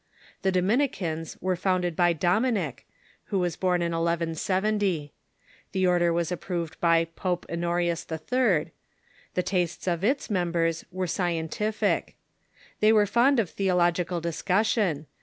The Dominicans were founded by Dominic, who was born in 1170. The order was approved by Pope Honorius III. The tastes of its members were scien tific. They were fond of theological discussion.